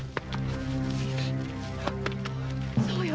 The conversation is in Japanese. そうよ。